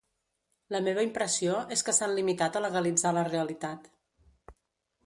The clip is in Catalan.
La meva impressió és que s’han limitat a legalitzar la realitat.